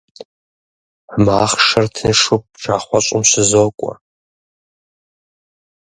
Махъшэр тыншу пшахъуэщӀым щызокӀуэ.